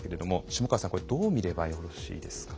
下川さんどう見ればよろしいですか？